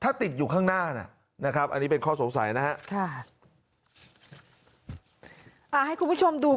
ถ้าติดอยู่ข้างหน้าน่ะนะครับอันนี้เป็นข้อสงสัยนะฮะ